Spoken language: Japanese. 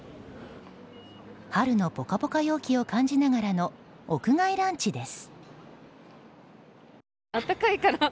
春のポカポカ陽気を感じながらの屋外ランチです。